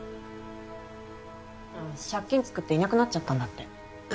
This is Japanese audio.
ああ借金作っていなくなっちゃったんだって。